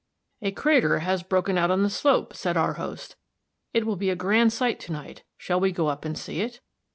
"A crater has broken out on the slope," said our host; "it will be a grand sight to night. Shall we go up and see it?"